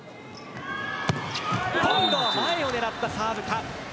今度は前を狙ったサーブか。